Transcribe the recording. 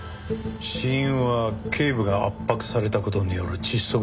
死因は頸部が圧迫された事による窒息だ。